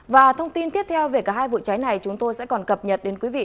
và thông tin tiếp theo về cả hai vụ cháy này chúng tôi sẽ còn cập nhật đến quý vị